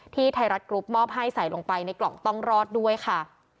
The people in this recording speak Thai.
ไทยรัฐกรุ๊ปมอบให้ใส่ลงไปในกล่องต้องรอดด้วยค่ะ